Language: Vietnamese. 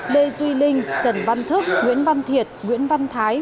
lê duy linh trần văn thức nguyễn văn thiệt nguyễn văn thái